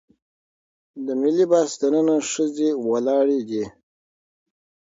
د ملي بس دننه ښځې ولاړې دي.